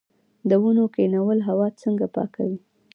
د ونو کینول هوا څنګه پاکوي؟